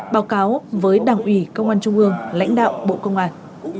báo cáo với đảng ủy công an trung ương lãnh đạo bộ công an